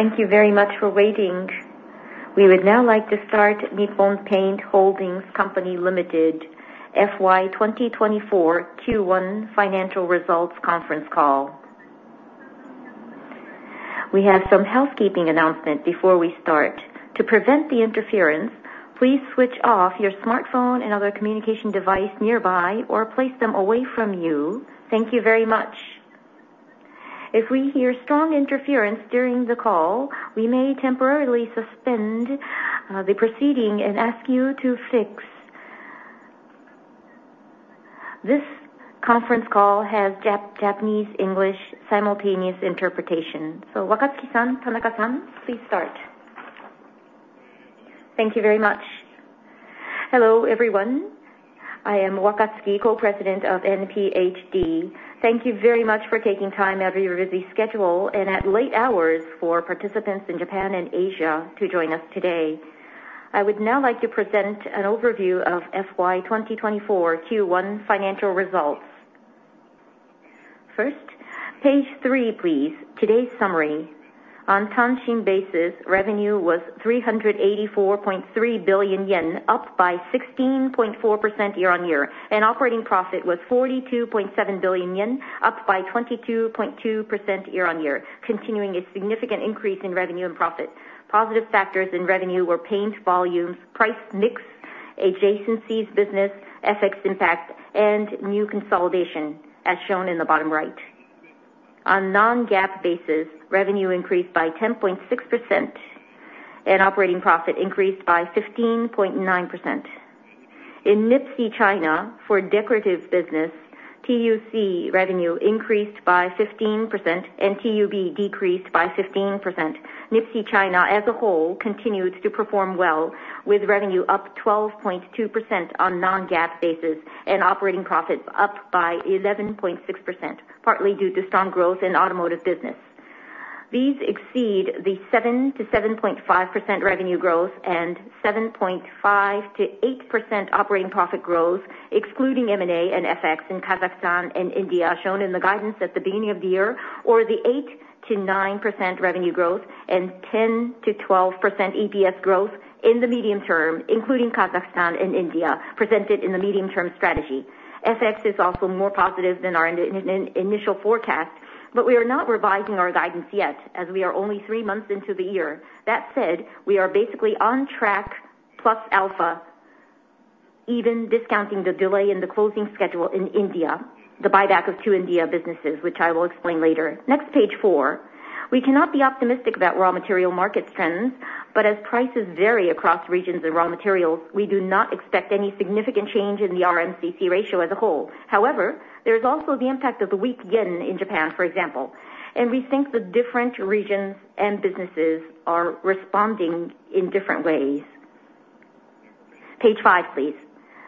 Thank you very much for waiting. We would now like to start Nippon Paint Holdings Company Limited FY 2024 Q1 financial results conference call. We have some housekeeping announcement before we start. To prevent the interference, please switch off your smartphone and other communication device nearby or place them away from you. Thank you very much. If we hear strong interference during the call, we may temporarily suspend the proceeding and ask you to fix. This conference call has Japanese, English, simultaneous interpretation. So Wakatsuki-san, Tanaka-san, please start. Thank you very much. Hello, everyone. I am Wakatsuki, Co-President of NPHD. Thank you very much for taking time out of your busy schedule and at late hours for participants in Japan and Asia to join us today. I would now like to present an overview of FY 2024 Q1 financial results. First, page three, please. Today's summary. On Tanshin basis, revenue was 384.3 billion yen, up by 16.4% year-on-year, and operating profit was 42.7 billion yen, up by 22.2% year-on-year, continuing its significant increase in revenue and profit. Positive factors in revenue were paint volumes, price mix, adjacencies business, FX impact, and new consolidation, as shown in the bottom right. On non-GAAP basis, revenue increased by 10.6%, and operating profit increased by 15.9%. In NIPSEA China, for decorative business, TUC revenue increased by 15% and TUB decreased by 15%. NIPSEA China, as a whole, continued to perform well, with revenue up 12.2% on non-GAAP basis and operating profits up by 11.6%, partly due to strong growth in automotive business. These exceed the 7%-7.5% revenue growth and 7.5%-8% operating profit growth, excluding M&A and FX in Kazakhstan and India, shown in the guidance at the beginning of the year, or the 8%-9% revenue growth and 10%-12% EPS growth in the medium term, including Kazakhstan and India, presented in the medium-term strategy. FX is also more positive than our initial forecast, but we are not revising our guidance yet, as we are only three months into the year. That said, we are basically on track plus alpha, even discounting the delay in the closing schedule in India, the buyback of two India businesses, which I will explain later. Next, page four. We cannot be optimistic about raw material market trends, but as prices vary across regions and raw materials, we do not expect any significant change in the RMCC ratio as a whole. However, there is also the impact of the weak yen in Japan, for example, and we think the different regions and businesses are responding in different ways. Page five, please.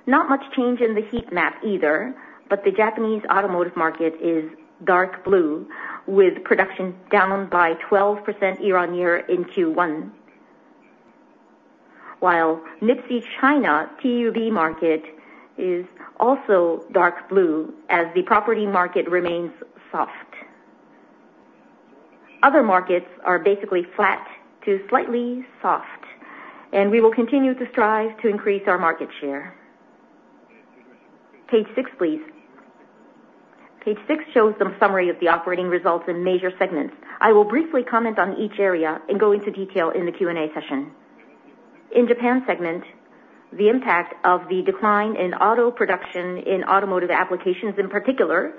Not much change in the heat map either, but the Japanese automotive market is dark blue, with production down by 12% year-on-year in Q1. While NIPSEA China TUB market is also dark blue as the property market remains soft. Other markets are basically flat to slightly soft, and we will continue to strive to increase our market share. Page six, please. Page six shows some summary of the operating results in major segments. I will briefly comment on each area and go into detail in the Q&A session. In Japan segment, the impact of the decline in auto production in automotive applications, in particular,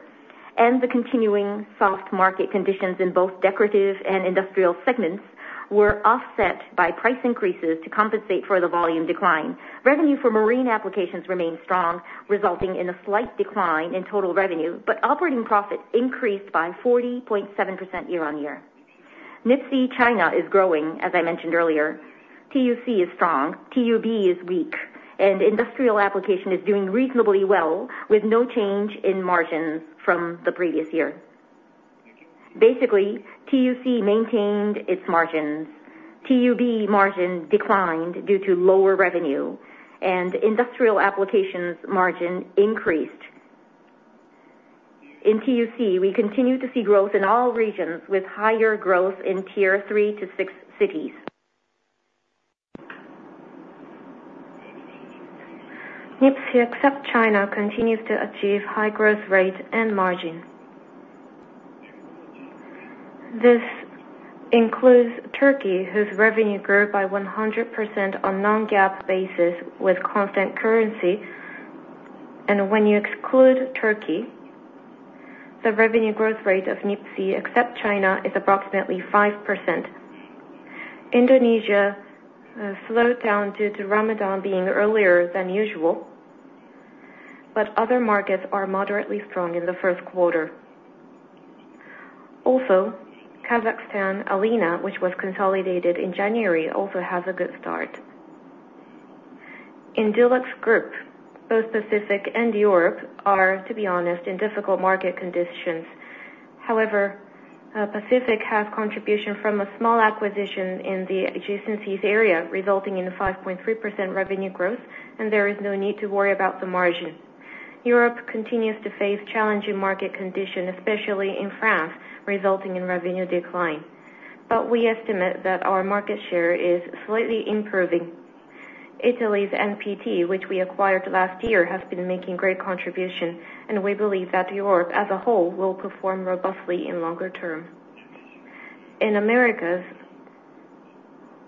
and the continuing soft market conditions in both decorative and industrial segments, were offset by price increases to compensate for the volume decline. Revenue for marine applications remained strong, resulting in a slight decline in total revenue, but operating profit increased by 40.7% year-on-year. NIPSEA China is growing, as I mentioned earlier. TUC is strong, TUB is weak, and industrial application is doing reasonably well, with no change in margins from the previous year. Basically, TUC maintained its margins. TUB margin declined due to lower revenue, and industrial applications margin increased. In TUC, we continue to see growth in all regions, with higher growth in Tier 3-6 cities. NIPSEA, except China, continues to achieve high growth rate and margin. This includes Turkey, whose revenue grew by 100% on non-GAAP basis with constant currency. When you exclude Turkey, the revenue growth rate of NIPSEA, except China, is approximately 5%. Indonesia slowed down due to Ramadan being earlier than usual, but other markets are moderately strong in the first quarter. Also, Kazakhstan, Alina, which was consolidated in January, also has a good start. In DuluxGroup, both Pacific and Europe are, to be honest, in difficult market conditions. However, Pacific has contribution from a small acquisition in the adjacencies area, resulting in a 5.3% revenue growth, and there is no need to worry about the margin. Europe continues to face challenging market condition, especially in France, resulting in revenue decline. We estimate that our market share is slightly improving. Italy's NPT, which we acquired last year, has been making great contribution, and we believe that Europe as a whole will perform robustly in longer term. In Americas,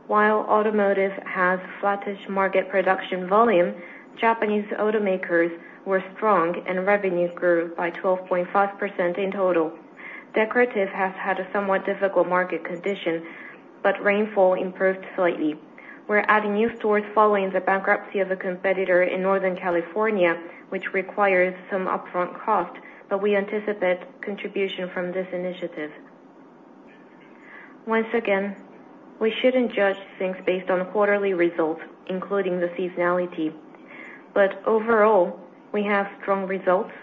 while automotive has flattish market production volume, Japanese automakers were strong and revenue grew by 12.5% in total. Decorative has had a somewhat difficult market condition, but rainfall improved slightly. We're adding new stores following the bankruptcy of a competitor in Northern California, which requires some upfront cost, but we anticipate contribution from this initiative. Once again, we shouldn't judge things based on quarterly results, including the seasonality. But overall, we have strong results,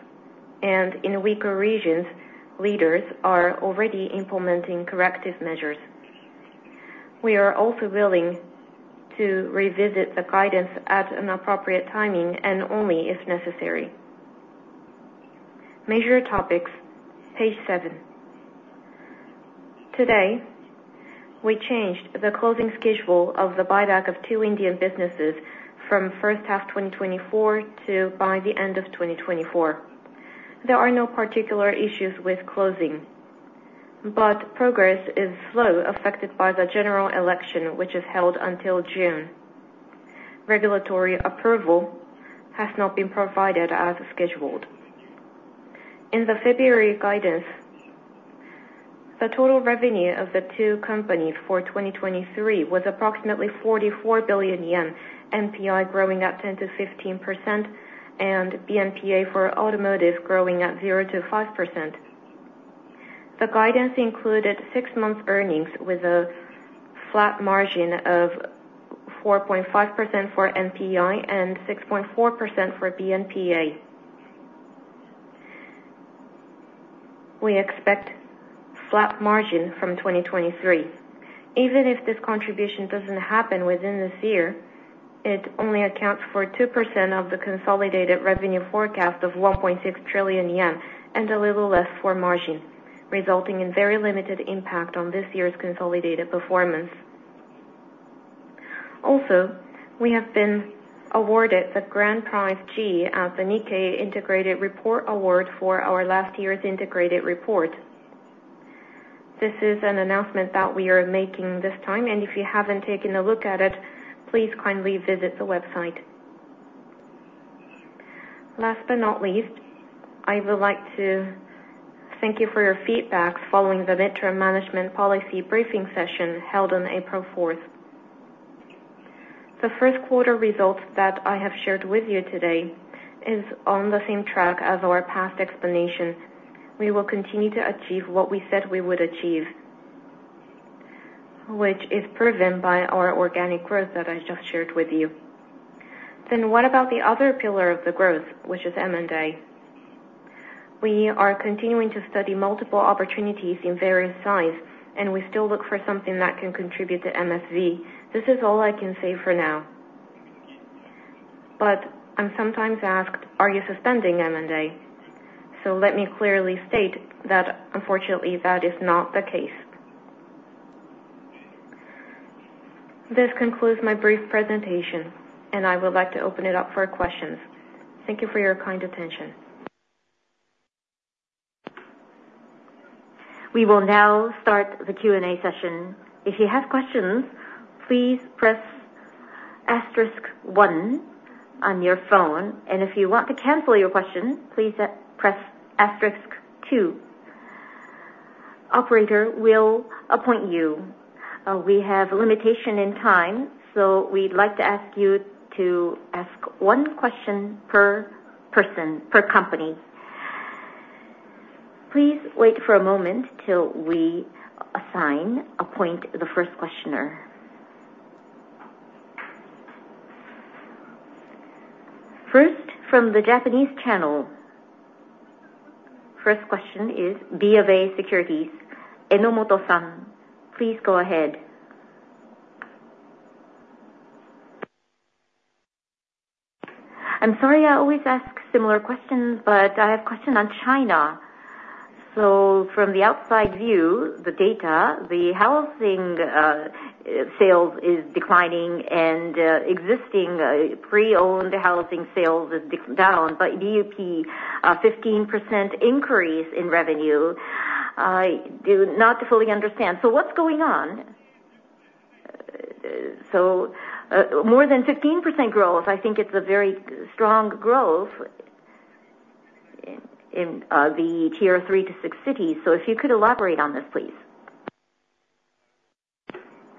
and in weaker regions, leaders are already implementing corrective measures. We are also willing to revisit the guidance at an appropriate timing and only if necessary. Major topics, page seven. Today, we changed the closing schedule of the buyback of two Indian businesses from first half 2024 to by the end of 2024. There are no particular issues with closing, but progress is slow, affected by the general election, which is held until June. Regulatory approval has not been provided as scheduled. In the February guidance, the total revenue of the two companies for 2023 was approximately 44 billion yen, NPI growing at 10%-15%, and BNPA for automotive growing at 0%-5%. The guidance included six-month earnings with a flat margin of 4.5% for NPI and 6.4% for BNPA. We expect flat margin from 2023. Even if this contribution doesn't happen within this year, it only accounts for 2% of the consolidated revenue forecast of 1.6 trillion yen, and a little less for margin, resulting in very limited impact on this year's consolidated performance. Also, we have been awarded the Grand Prize G at the Nikkei Integrated Report Award for our last year's integrated report. This is an announcement that we are making this time, and if you haven't taken a look at it, please kindly visit the website. Last but not least, I would like to thank you for your feedback following the midterm management policy briefing session held on April 4th. The first quarter results that I have shared with you today is on the same track as our past explanations. We will continue to achieve what we said we would achieve, which is proven by our organic growth that I just shared with you. Then what about the other pillar of the growth, which is M&A? We are continuing to study multiple opportunities in various size, and we still look for something that can contribute to MSV. This is all I can say for now. But I'm sometimes asked: "Are you suspending M&A?" So let me clearly state that unfortunately, that is not the case. This concludes my brief presentation, and I would like to open it up for questions. Thank you for your kind attention. We will now start the Q&A session. If you have questions, please press asterisk one on your phone, and if you want to cancel your question, please press asterisk two. Operator will appoint you. We have a limitation in time, so we'd like to ask you to ask one question per person, per company. Please wait for a moment till we assign, appoint the first questioner. First, from the Japanese channel. First question is BofA Securities, Enomoto-san. Please go ahead. I'm sorry, I always ask similar questions, but I have a question on China. So from the outside view, the data, the housing sales is declining and, existing, pre-owned housing sales is down, but DUP, a 15% increase in revenue, I do not fully understand. So what's going on? So, more than 15% growth, I think it's a very strong growth in the tier 3-6 cities. So if you could elaborate on this, please.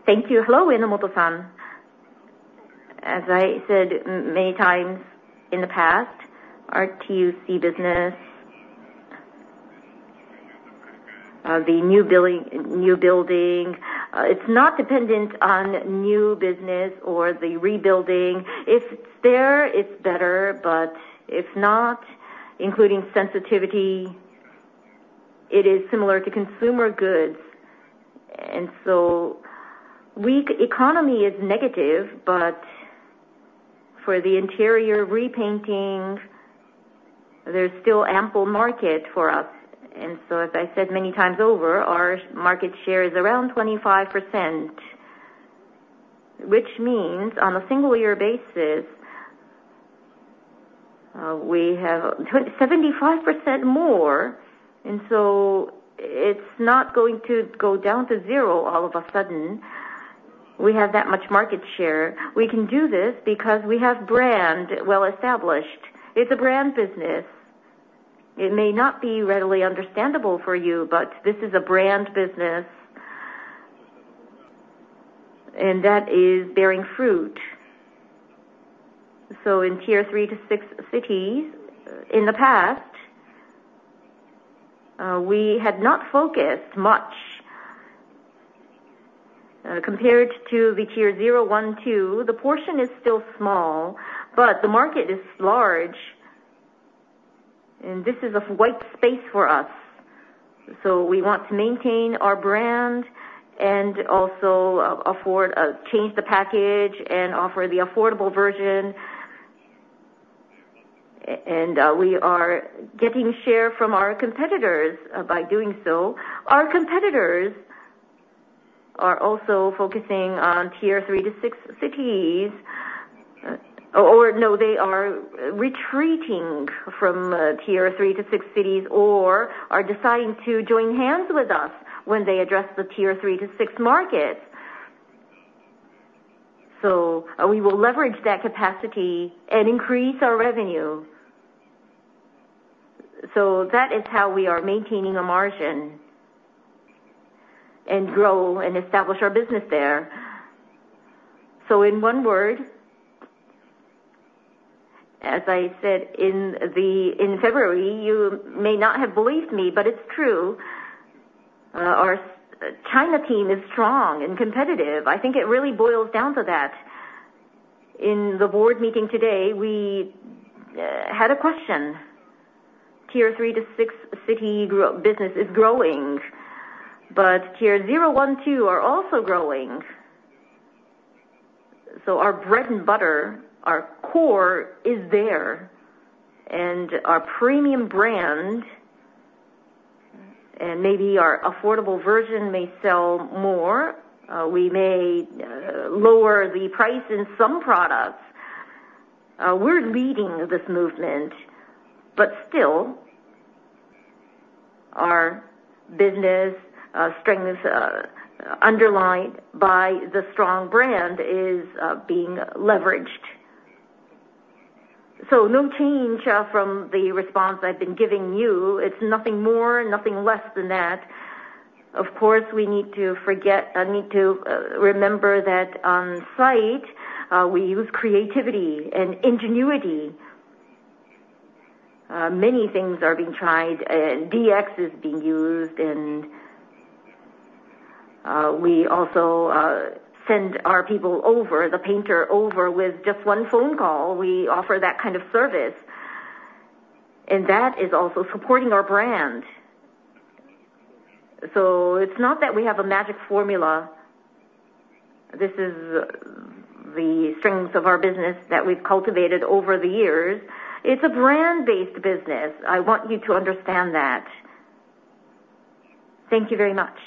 Thank you. Hello, Enomoto-san. As I said many times in the past, our TUC business, the new building, it's not dependent on new business or the rebuilding. If it's there, it's better, but if not, including sensitivity-... it is similar to consumer goods, and so weak economy is negative, but for the interior repainting, there's still ample market for us. And so as I said many times over, our market share is around 25%, which means on a single year basis, we have 75% more, and so it's not going to go down to zero all of a sudden. We have that much market share. We can do this because we have brand well established. It's a brand business. It may not be readily understandable for you, but this is a brand business. And that is bearing fruit. So in tier 3-6 cities, in the past, we had not focused much, compared to the tier zero, one, two. The portion is still small, but the market is large, and this is a white space for us. So we want to maintain our brand and also afford change the package and offer the affordable version. And we are getting share from our competitors by doing so. Our competitors are also focusing on tier 3-6 cities. Or no, they are retreating from tier 3-6 cities, or are deciding to join hands with us when they address the tier 3-6 markets. So we will leverage that capacity and increase our revenue. So that is how we are maintaining a margin and grow and establish our business there. So in one word, as I said in February, you may not have believed me, but it's true. Our China team is strong and competitive. I think it really boils down to that. In the board meeting today, we had a question. Tier 3-6 city business is growing, but tier zero, one, two are also growing. So our bread and butter, our core is there, and our premium brand, and maybe our affordable version may sell more. We may lower the price in some products. We're leading this movement, but still, our business strength, underlined by the strong brand is being leveraged. So no change from the response I've been giving you. It's nothing more, nothing less than that. Of course, we need to remember that on site, we use creativity and ingenuity. Many things are being tried, and DX is being used, and we also send our people over, the painter over with just one phone call. We offer that kind of service, and that is also supporting our brand. So it's not that we have a magic formula. This is the strengths of our business that we've cultivated over the years. It's a brand-based business. I want you to understand that. Thank you very much.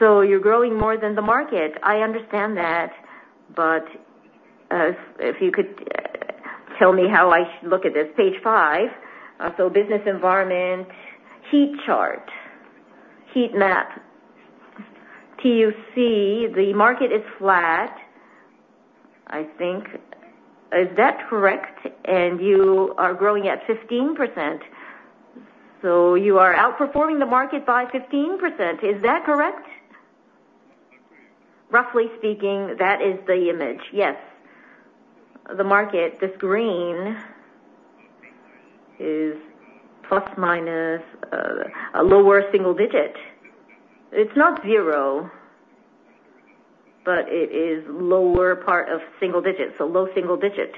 So you're growing more than the market. I understand that, but, if you could, tell me how I should look at this. Page five, so business environment, heat chart, heat map. TUC, the market is flat, I think. Is that correct? And you are growing at 15%. So you are outperforming the market by 15%. Is that correct? Roughly speaking, that is the image. Yes. The market, this green, is plus minus, a lower single digit. It's not zero, but it is lower part of single digits, so low single digit.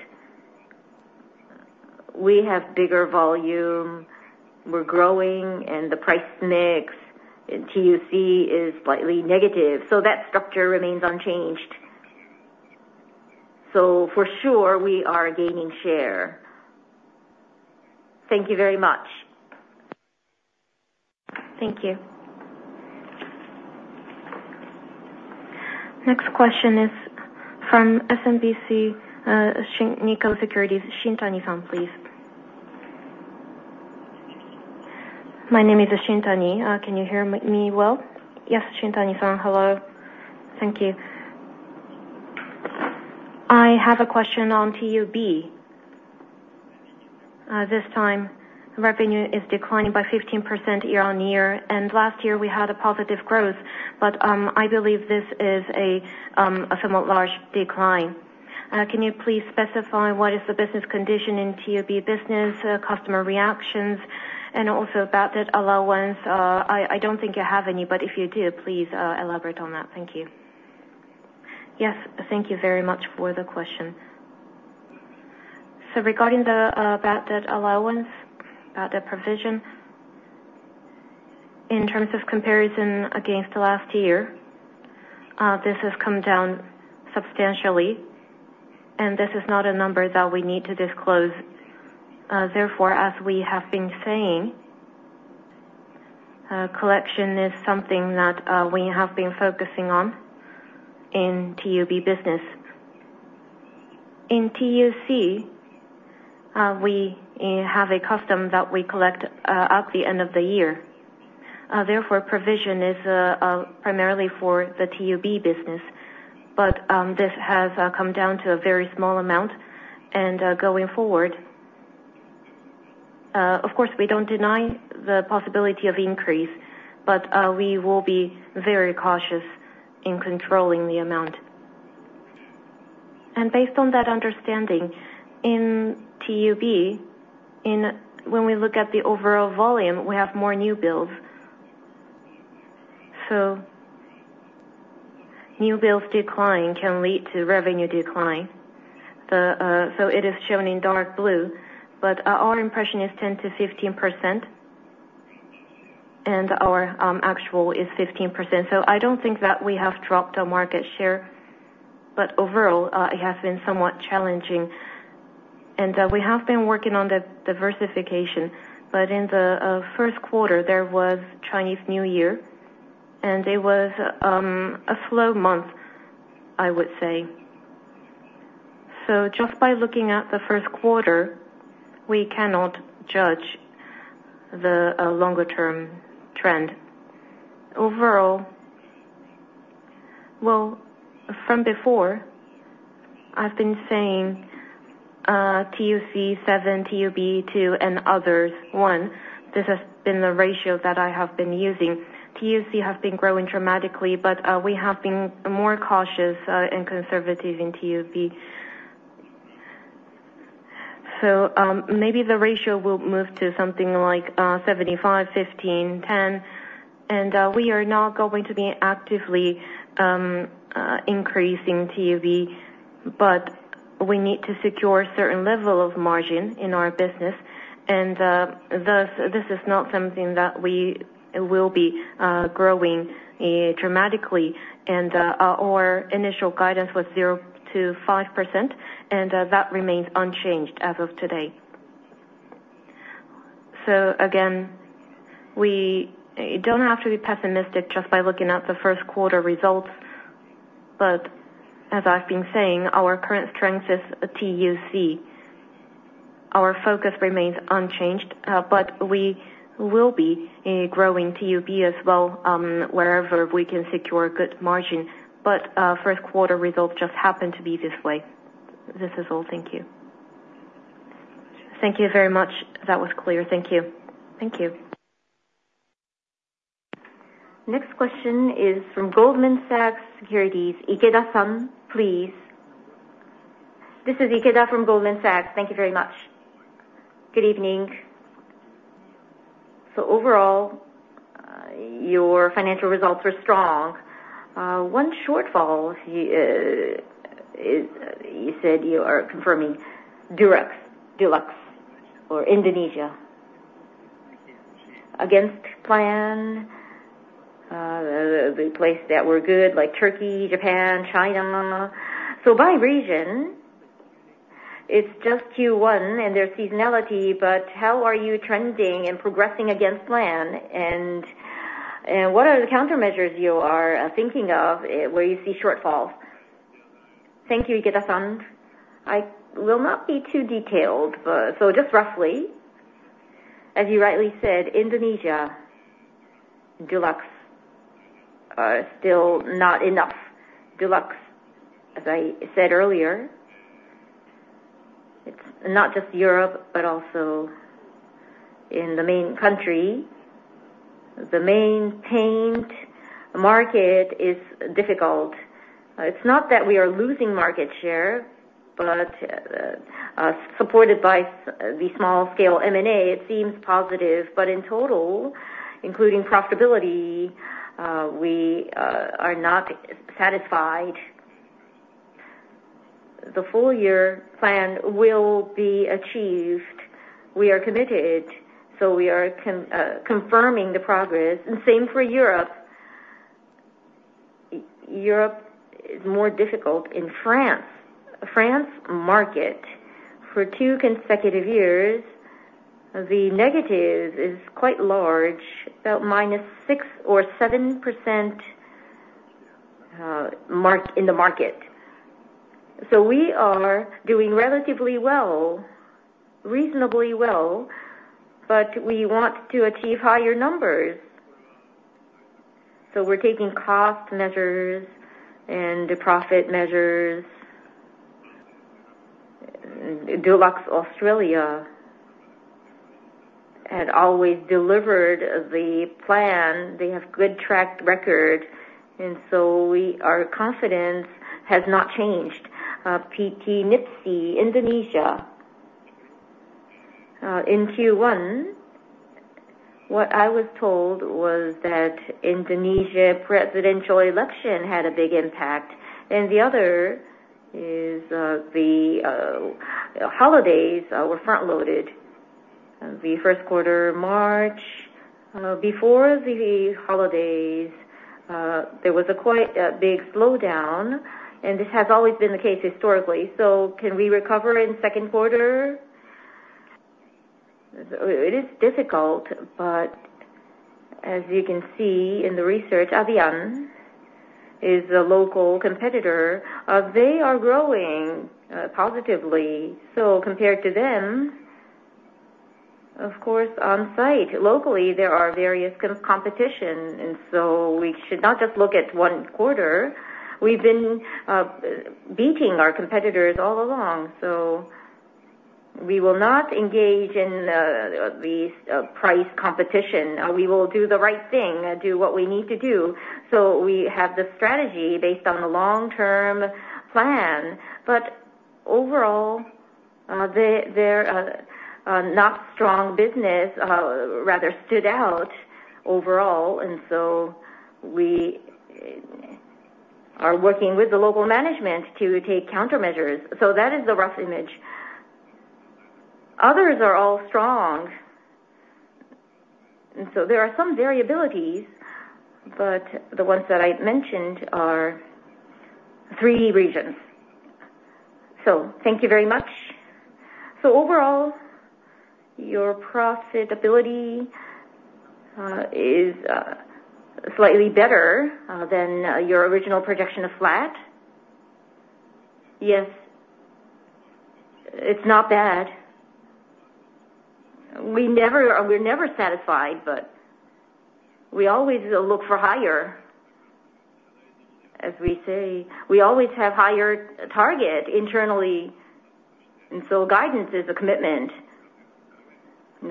We have bigger volume, we're growing, and the price mix in TUC is slightly negative, so that structure remains unchanged. So for sure, we are gaining share. Thank you very much. Thank you. Next question is from SMBC Nikko Securities, Shintani-san, please. My name is Shintani. Can you hear me well? Yes, Shintani-san. Hello. Thank you. I have a question on TUB. This time, revenue is declining by 15% year-on-year, and last year we had a positive growth, but, I believe this is a fair large decline. Can you please specify what is the business condition in TUB business, customer reactions, and also about that allowance? I don't think you have any, but if you do, please, elaborate on that. Thank you. Yes, thank you very much for the question. So regarding the bad debt allowance, bad debt provision, in terms of comparison against the last year, this has come down substantially, and this is not a number that we need to disclose. Therefore, as we have been saying, collection is something that we have been focusing on in TUB business. In TUC, we have a custom that we collect at the end of the year. Therefore, provision is primarily for the TUB business, but this has come down to a very small amount. And going forward, of course, we don't deny the possibility of increase, but we will be very cautious in controlling the amount. And based on that understanding, in TUB, when we look at the overall volume, we have more new builds. So new builds decline can lead to revenue decline. So it is shown in dark blue, but our impression is 10%-15%, and our actual is 15%. So I don't think that we have dropped our market share, but overall, it has been somewhat challenging. We have been working on the diversification, but in the first quarter, there was Chinese New Year, and it was a slow month, I would say. Just by looking at the first quarter, we cannot judge the longer-term trend. Overall... Well, from before, I've been saying TUC 7, TUB 2, and others, 1. This has been the ratio that I have been using. TUC has been growing dramatically, but we have been more cautious and conservative in TUB. Maybe the ratio will move to something like 75, 15, 10, and we are now going to be actively increasing TUB, but we need to secure a certain level of margin in our business. Thus, this is not something that we will be growing dramatically. Our initial guidance was 0%-5%, and that remains unchanged as of today. So again, we don't have to be pessimistic just by looking at the first quarter results. But as I've been saying, our current strength is TUC. Our focus remains unchanged, but we will be growing TUB as well, wherever we can secure good margin. But first quarter results just happen to be this way. This is all. Thank you. Thank you very much. That was clear. Thank you. Thank you. Next question is from Goldman Sachs. Ikeda-san, please. This is Ikeda from Goldman Sachs. Thank you very much. Good evening. So overall, your financial results were strong. One shortfall, you said you are confirming Dulux in Indonesia. Against plan, the places that were good, like Turkey, Japan, China. So by region, it's just Q1 and there's seasonality, but how are you trending and progressing against plan? And what are the countermeasures you are thinking of where you see shortfalls? Thank you, Ikeda-san. I will not be too detailed, but so just roughly, as you rightly said, Indonesia, Dulux, are still not enough. Dulux, as I said earlier, it's not just Europe, but also in the main country. The main paint market is difficult. It's not that we are losing market share, but, supported by the small scale M&A, it seems positive. But in total, including profitability, we are not satisfied. The full year plan will be achieved. We are committed, so we are confirming the progress. And same for Europe. Europe is more difficult in France. France market, for two consecutive years, the negative is quite large, about -6% or -7% in the market. So we are doing relatively well, reasonably well, but we want to achieve higher numbers. So we're taking cost measures and the profit measures. Dulux Australia had always delivered the plan. They have good track record, and so we, our confidence has not changed. PT NIPSEA, Indonesia-... in Q1, what I was told was that Indonesian presidential election had a big impact, and the other is, the holidays, were front-loaded. The first quarter, March, before the holidays, there was quite a big slowdown, and this has always been the case historically. So can we recover in second quarter? It is difficult, but as you can see in the research, Avian is a local competitor. They are growing, positively. So compared to them, of course, on site, locally, there are various competition, and so we should not just look at one quarter. We've been, beating our competitors all along, so we will not engage in, the, price competition. We will do the right thing and do what we need to do. So we have the strategy based on the long-term plan. But overall, their not strong business rather stood out overall, and so we are working with the local management to take countermeasures. So that is the rough image. Others are all strong, and so there are some variabilities, but the ones that I mentioned are three regions. So thank you very much. So overall, your profitability is slightly better than your original projection of flat? Yes. It's not bad. We're never satisfied, but we always look for higher. As we say, we always have higher target internally, and so guidance is a commitment.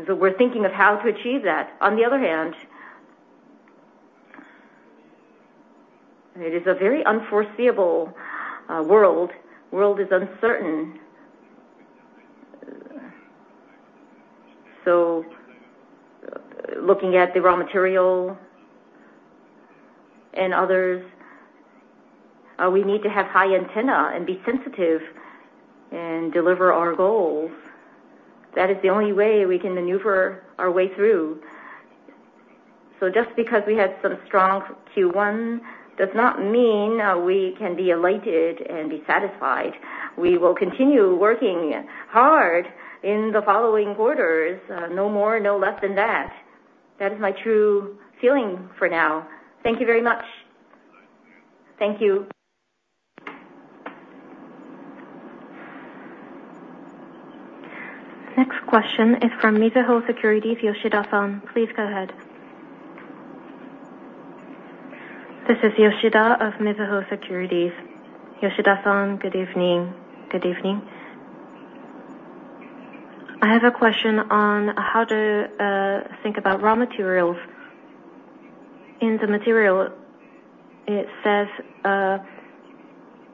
So we're thinking of how to achieve that. On the other hand, it is a very unforeseeable world. World is uncertain. So looking at the raw material and others, we need to have high antenna and be sensitive and deliver our goals. That is the only way we can maneuver our way through. So just because we had some strong Q1 does not mean we can be elated and be satisfied. We will continue working hard in the following quarters, no more, no less than that. That is my true feeling for now. Thank you very much. Thank you. Next question is from Mizuho Securities, Yoshida-san. Please go ahead. This is Yoshida of Mizuho Securities. Yoshida-san, good evening. Good evening. I have a question on how to think about raw materials. In the material, it says,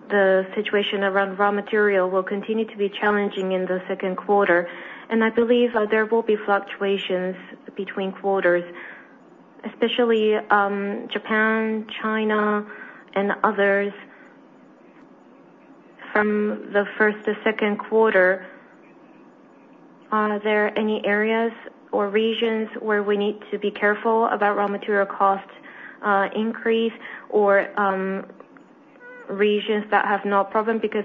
"The situation around raw material will continue to be challenging in the second quarter," and I believe that there will be fluctuations between quarters, especially Japan, China, and others from the first-second quarter. Are there any areas or regions where we need to be careful about raw material cost increase or regions that have no problem because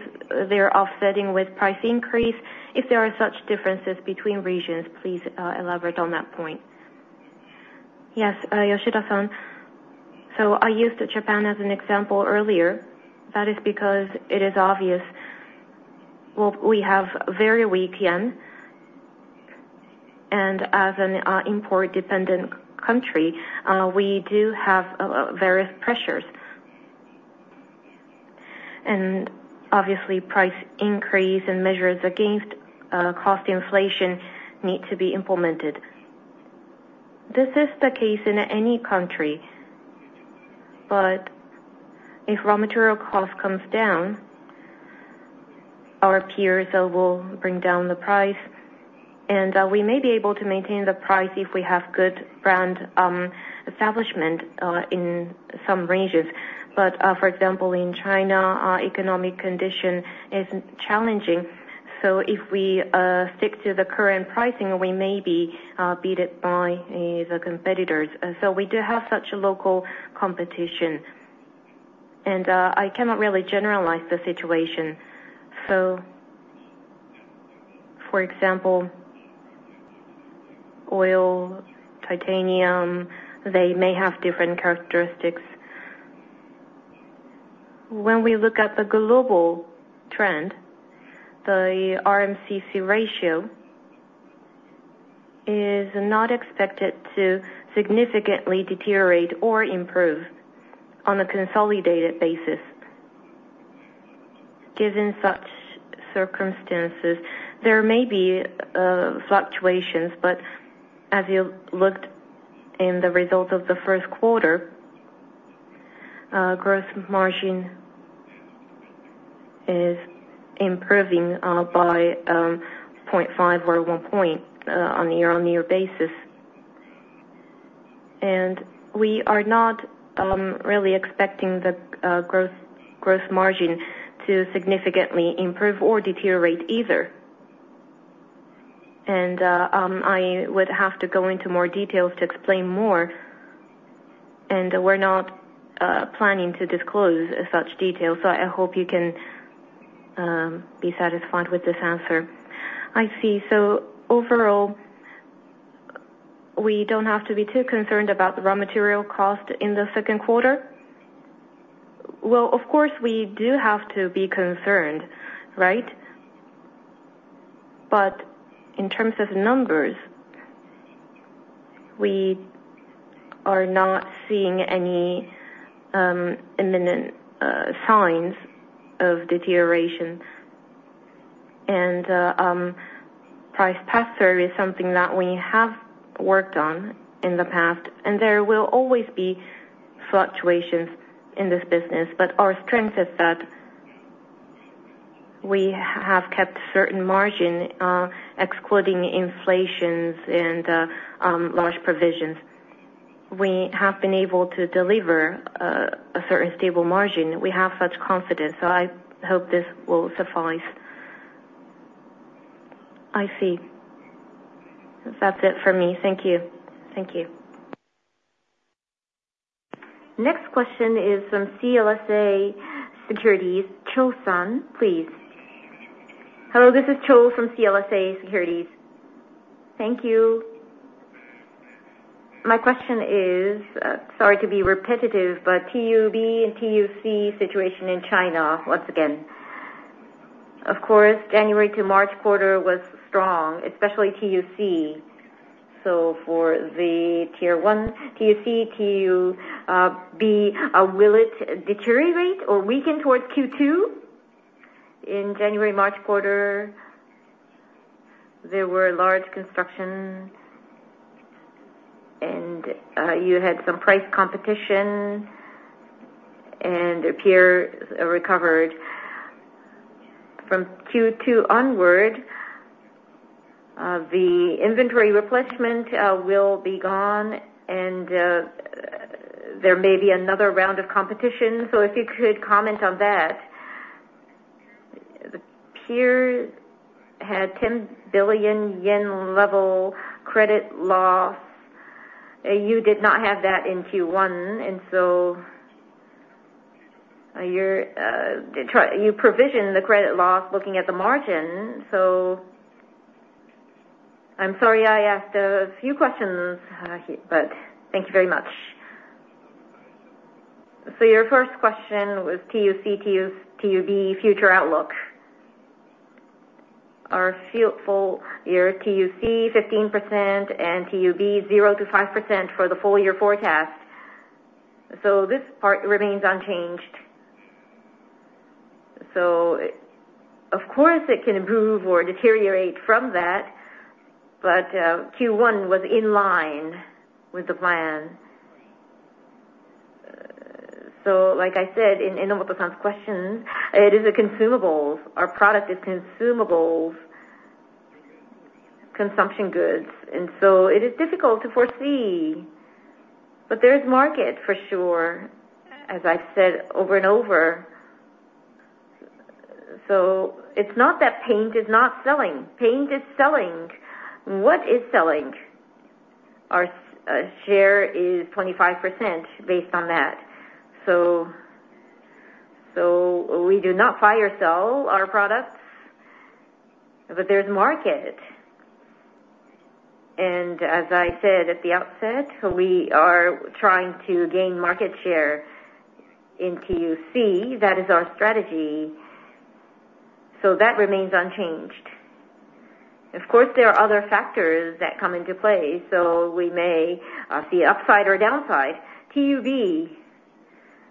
they're offsetting with price increase? If there are such differences between regions, please elaborate on that point. Yes, Yoshida-san. So I used Japan as an example earlier. That is because it is obvious. Well, we have very weak yen, and as an import-dependent country, we do have various pressures. And obviously, price increase and measures against cost inflation need to be implemented. This is the case in any country. But if raw material cost comes down, our peers will bring down the price, and we may be able to maintain the price if we have good brand establishment in some ranges. But, for example, in China, economic condition is challenging. So if we stick to the current pricing, we may be beat it by the competitors. So we do have such a local competition, and I cannot really generalize the situation. So, for example, oil, titanium, they may have different characteristics. When we look at the global trend, the RMCC ratio is not expected to significantly deteriorate or improve on a consolidated basis. Given such circumstances, there may be fluctuations, but as you looked in the result of the first quarter, gross margin is improving by 0.5 or 1 point on year-on-year basis. And we are not really expecting the growth margin to significantly improve or deteriorate either. And I would have to go into more details to explain more, and we're not planning to disclose such details, so I hope you can be satisfied with this answer. I see. So overall, we don't have to be too concerned about the raw material cost in the second quarter? Well, of course, we do have to be concerned, right? But in terms of numbers, we are not seeing any imminent signs of deterioration. And price pass-through is something that we have worked on in the past, and there will always be fluctuations in this business. But our strength is that we have kept certain margin, excluding inflations and large provisions. We have been able to deliver a certain stable margin. We have such confidence, so I hope this will suffice. I see. That's it for me. Thank you. Thank you. Next question is from CLSA Securities, Cho-San, please. Hello, this is Cho from CLSA Securities. Thank you. My question is, sorry to be repetitive, but TUB and TUC situation in China once again. Of course, January to March quarter was strong, especially TUC. So for the TUC, TUB, will it deteriorate or weaken towards Q2? In January, March quarter, there were large construction, and you had some price competition, and appear recovered. From Q2 onward, the inventory replacement will be gone, and there may be another round of competition. So if you could comment on that. The peer had 10 billion yen level credit loss. You did not have that in Q1, and so, you're trying to provision the credit loss looking at the margin. So I'm sorry, I asked a few questions, but thank you very much. So your first question was TUC, TUB future outlook. Our full year, TUC, 15%, and TUB, 0%-5% for the full year forecast. So this part remains unchanged. So of course, it can improve or deteriorate from that, but Q1 was in line with the plan. So like I said, in Enomoto-San's question, it is a consumables. Our product is consumables, consumption goods, and so it is difficult to foresee. But there is market for sure, as I've said over and over. So it's not that paint is not selling. Paint is selling. What is selling? Our share is 25% based on that. So, so we do not fire sell our products, but there's market. As I said at the outset, we are trying to gain market share in TUC. That is our strategy, so that remains unchanged. Of course, there are other factors that come into play, so we may see upside or downside. TUB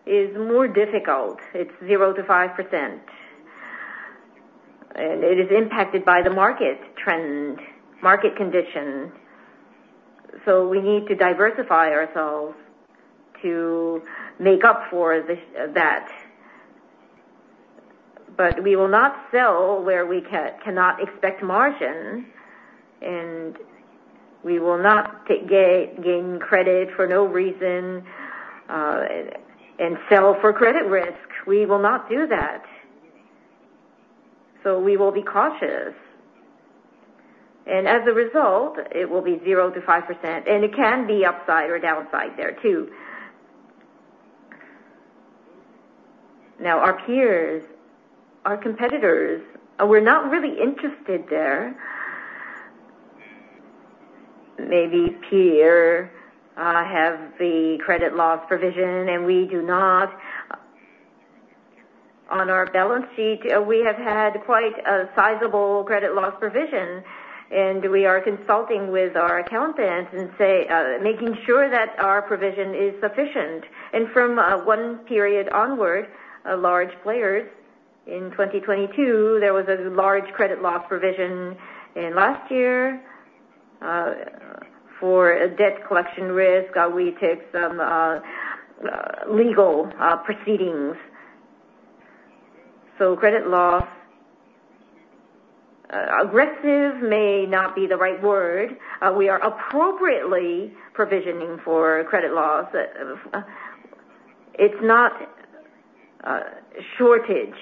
is more difficult. It's 0%-5%, and it is impacted by the market trend, market conditions, so we need to diversify ourselves to make up for this, that. But we will not sell where we cannot expect margin, and we will not gain credit for no reason, and sell for credit risk. We will not do that. So we will be cautious. And as a result, it will be 0%-5%, and it can be upside or downside there, too. Now, our peers, our competitors, we're not really interested there. Maybe peers have the credit loss provision, and we do not. On our balance sheet, we have had quite a sizable credit loss provision, and we are consulting with our accountants and say, making sure that our provision is sufficient. And from one period onward, large players in 2022, there was a large credit loss provision in last year. For a debt collection risk, we take some legal proceedings. So credit loss aggressive may not be the right word. We are appropriately provisioning for credit loss. It's not a shortage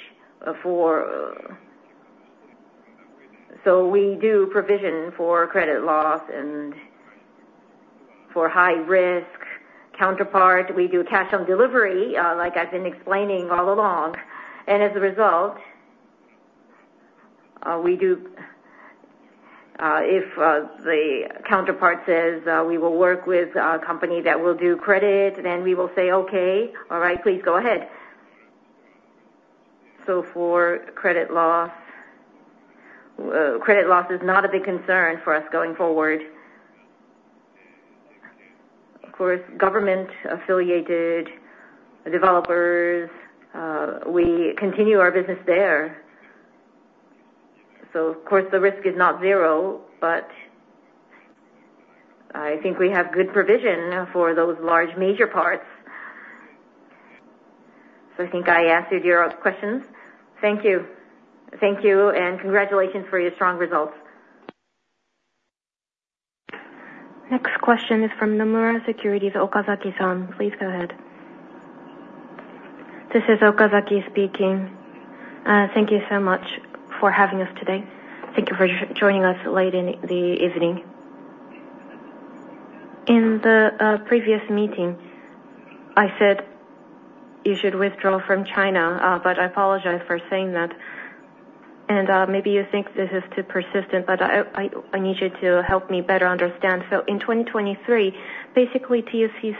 for— So we do provision for credit loss and for high risk counterpart, we do cash on delivery, like I've been explaining all along. And as a result, we do, if the counterpart says, "We will work with a company that will do credit," then we will say: Okay, all right, please go ahead. So for credit loss, credit loss is not a big concern for us going forward. Of course, government-affiliated developers, we continue our business there. So of course, the risk is not zero, but I think we have good provision for those large major parts. I think I answered your questions. Thank you. Thank you, and congratulations for your strong results. Next question is from Nomura Securities', Okazaki-san. Please go ahead. This is Okazaki speaking. Thank you so much for having us today. Thank you for joining us late in the evening. In the previous meeting, I said, you should withdraw from China, but I apologize for saying that. And maybe you think this is too persistent, but I need you to help me better understand. So in 2023, basically, TUC's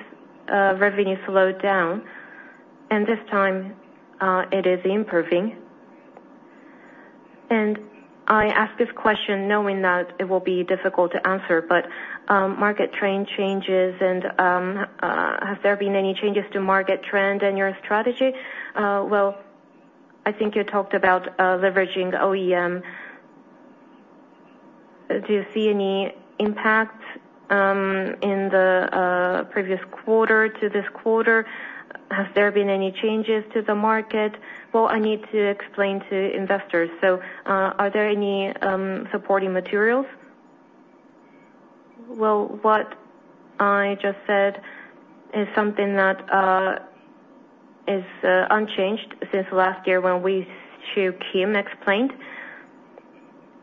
revenue slowed down, and this time, it is improving. And I ask this question knowing that it will be difficult to answer, but market trend changes and has there been any changes to market trend and your strategy? Well, I think you talked about leveraging OEM. Do you see any impact in the previous quarter to this quarter? Has there been any changes to the market? Well, I need to explain to investors. So, are there any supporting materials? Well, what I just said is something that is unchanged since last year when Wee Siew Kim explained.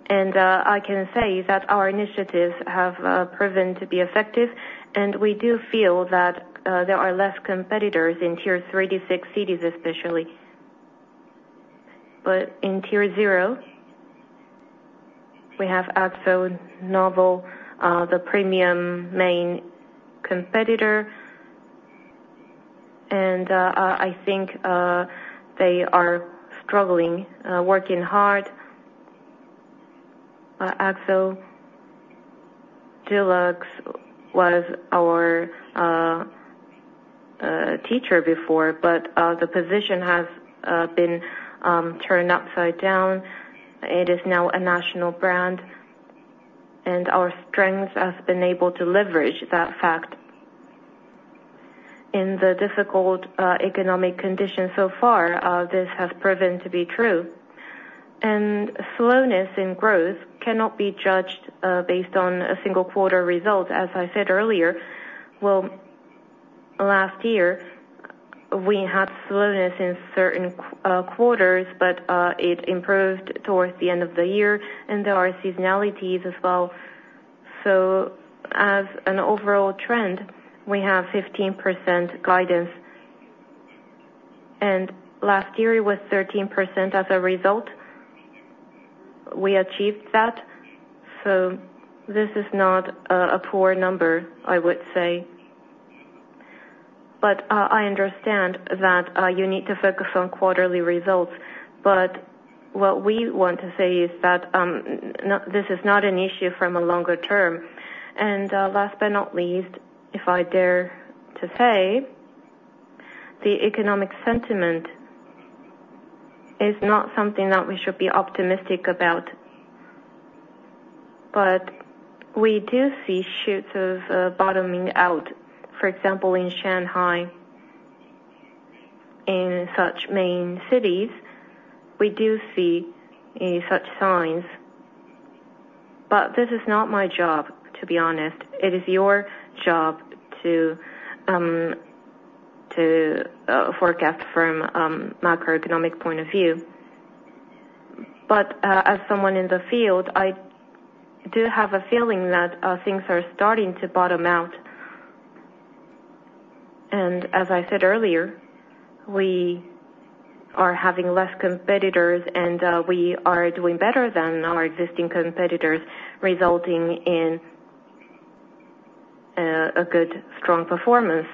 And I can say that our initiatives have proven to be effective, and we do feel that there are less competitors in tier 3-6 cities, especially. But in tier 0, we have AkzoNobel, the premium main competitor, and I think they are struggling, working hard. Dulux was our teacher before, but the position has been turned upside down. It is now a national brand, and our strength has been able to leverage that fact. In the difficult economic conditions so far, this has proven to be true. And slowness in growth cannot be judged based on a single quarter result. As I said earlier, well, last year, we had slowness in certain quarters, but it improved towards the end of the year, and there are seasonalities as well. So as an overall trend, we have 15% guidance, and last year it was 13% as a result. We achieved that, so this is not a poor number, I would say. But I understand that you need to focus on quarterly results, but what we want to say is that this is not an issue from a longer term. And last but not least, if I dare to say, the economic sentiment is not something that we should be optimistic about, but we do see signs of bottoming out, for example, in Shanghai. In such main cities, we do see such signs, but this is not my job, to be honest. It is your job to forecast from macroeconomic point of view. But as someone in the field, I do have a feeling that things are starting to bottom out. And as I said earlier, we are having less competitors, and we are doing better than our existing competitors, resulting in a good, strong performance.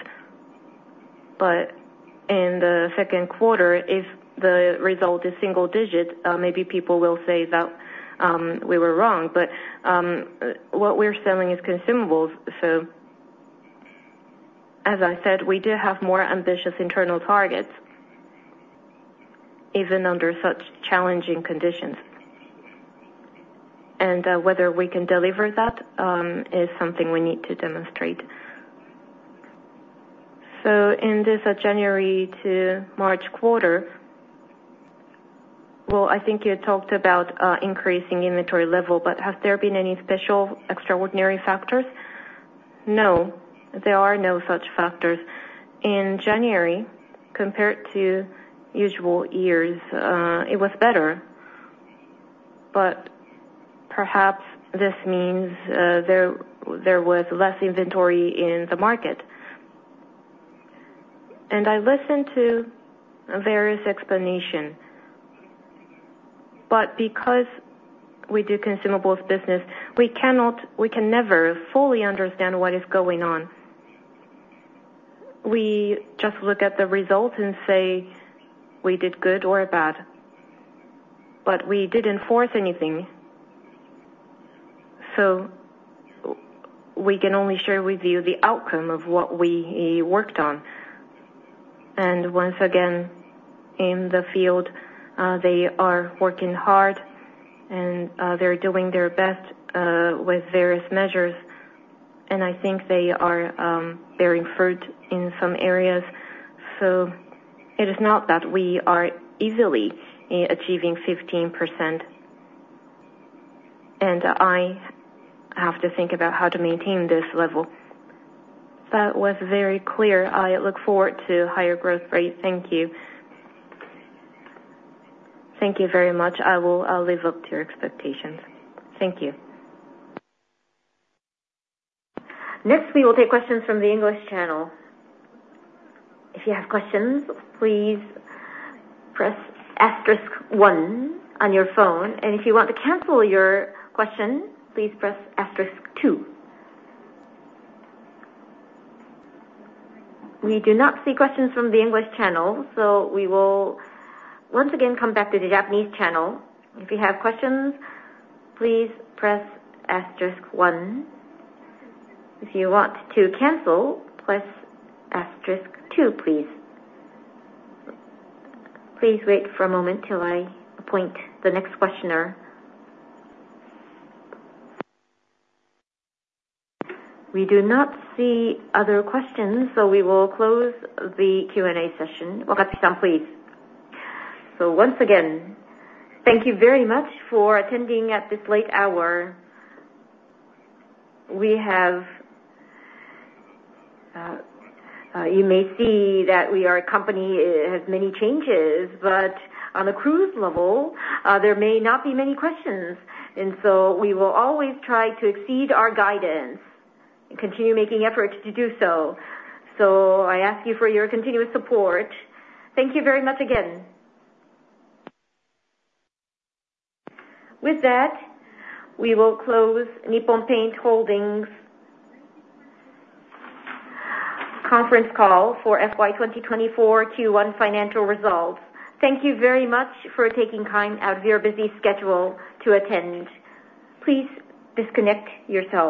But in the second quarter, if the result is single digit, maybe people will say that we were wrong, but what we're selling is consumables. So as I said, we do have more ambitious internal targets even under such challenging conditions. And whether we can deliver that is something we need to demonstrate. In this January to March quarter, well, I think you talked about increasing inventory level, but has there been any special extraordinary factors? No, there are no such factors. In January, compared to usual years, it was better, but perhaps this means there was less inventory in the market. And I listened to various explanations, but because we do consumables business, we cannot—we can never fully understand what is going on. We just look at the results and say, "We did good or bad," but we didn't force anything. So we can only share with you the outcome of what we worked on. And once again, in the field, they are working hard, and they're doing their best with various measures, and I think they are bearing fruit in some areas. So it is not that we are easily achieving 15%, and I have to think about how to maintain this level. That was very clear. I look forward to higher growth rate. Thank you. Thank you very much. I will live up to your expectations. Thank you. Next, we will take questions from the English channel. If you have questions, please press asterisk one on your phone, and if you want to cancel your question, please press asterisk two. We do not see questions from the English channel, so we will once again come back to the Japanese channel. If you have questions, please press asterisk one. If you want to cancel, press asterisk two, please. Please wait for a moment till I appoint the next questioner. We do not see other questions, so we will close the Q&A session. Wakatsuki-san, please. So once again, thank you very much for attending at this late hour. We have, you may see that we are a company, has many changes, but on a crude level, there may not be many questions, and so we will always try to exceed our guidance and continue making efforts to do so. So I ask you for your continuous support. Thank you very much again. With that, we will close Nippon Paint Holdings conference call for FY 2024 Q1 financial results. Thank you very much for taking time out of your busy schedule to attend. Please disconnect yourself.